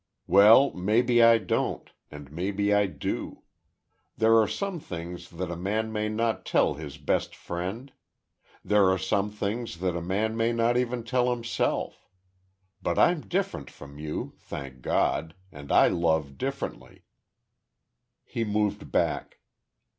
Well, maybe I don't and maybe I do. There are some things that a man may not tell his best friend there are some things that a man may not even tell himself. But I'm different from you, thank God, and I love differently." He moved back.